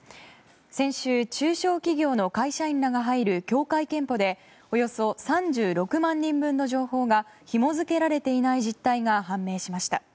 先週、中小企業の会社員らが入る協会けんぽでおよそ３６万人分の情報がひも付けられていない実態が判明しました。